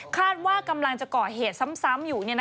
คาดว่ากำลังจะก่อเหตุซ้ำอยู่